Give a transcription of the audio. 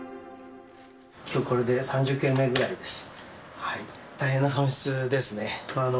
きょうこれで３０件目ぐらいです。